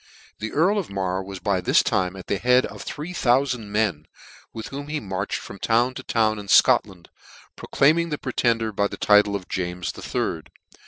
The earl of Mar was by this time at the head of three thoufard men, with whom he marched from town to town in Scotland, proclaiming the Pretender by the title of James the Third.